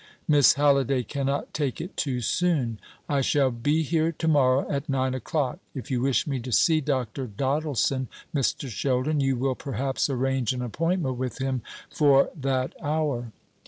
Miss Halliday cannot take it too soon. I shall be here to morrow at nine o'clock. If you wish me to see Dr. Doddleson, Mr. Sheldon, you will perhaps arrange an appointment with him for that hour."